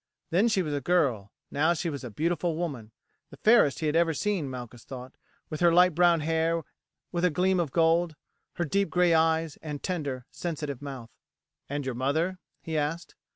Then she was a girl, now she was a beautiful woman the fairest he had ever seen, Malchus thought, with her light brown hair with a gleam of gold, her deep gray eyes, and tender, sensitive mouth. "And your mother?" he asked.